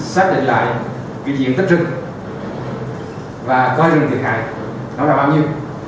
xác định lại cái diện tích rừng và coi rừng thiệt hại nó là bao nhiêu